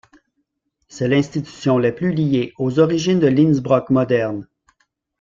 C'est l'institution la plus liée aux origines de l'Innsbruck moderne.